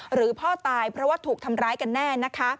หรือพ่อตายเพราะว่าถูกทำร้ายกันแน่นะคะ